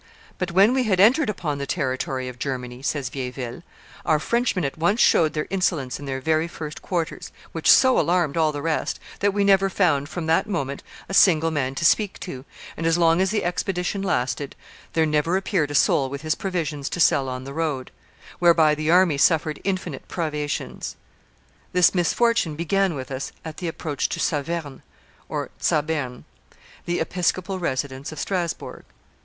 "But when we had entered upon the territory of Germany," says Vieilleville, "our Frenchmen at once showed their insolence in their very first quarters, which so alarmed all the rest that we never found from that moment a single man to speak to, and, as long as the expedition lasted, there never appeared a soul with his provisions to sell on the road; whereby the army suffered infinite privations. This misfortune began with us at the approach to Saverne (Zabern), the episcopal residence of Strasbourg."